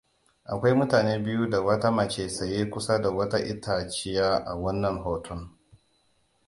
Akwai mutane biyu da wata mace tsaye kusa da wata itaciya a wannan hoton.